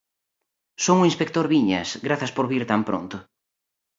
Son o inspector Viñas, grazas por vir tan pronto.